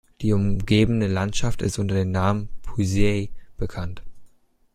Die umgebende Landschaft ist unter dem Namen Puisaye bekannt.